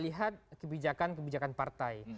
lihat kebijakan kebijakan partai